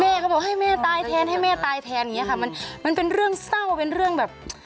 แม่ก็บอกให้แม่ตายแทนให้แม่ตายแทนมันเป็นเรื่องเศร้าเป็นเรื่องแบบ